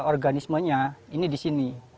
organismenya ini di sini